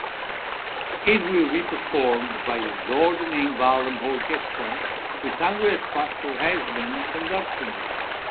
It will be performed by the Zorneding-Baldham Orchestra with Andreas Pascal Heinzmann conducting.